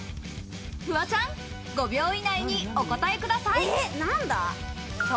フワちゃん、５秒以内にお答えください。